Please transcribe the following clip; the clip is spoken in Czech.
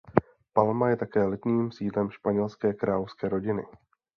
Palma je také letním sídlem španělské královské rodiny.